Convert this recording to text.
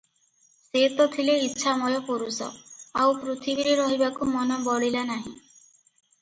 ସେ ତ ଥିଲେ ଇଚ୍ଛାମୟ ପରୁଷ, ଆଉ ପୃଥିବୀରେ ରହିବାକୁ ମନ ବଳିଲା ନାହିଁ ।